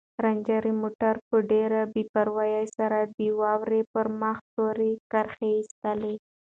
رنجر موټر په ډېرې بې پروايۍ سره د واورې پر مخ تورې کرښې ایستلې.